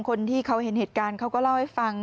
คนที่เขาเห็นเหตุการณ์เขาก็เล่าให้ฟัง